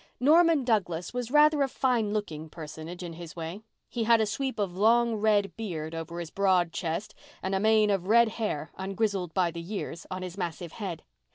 Norman Douglas was rather a fine looking personage in his way. He had a sweep of long red beard over his broad chest and a mane of red hair, ungrizzled by the years, on his massive head.